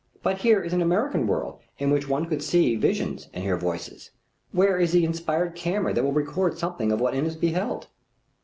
But here is an American world in which one could see visions and hear voices. Where is the inspired camera that will record something of what Inness beheld?